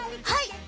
はい！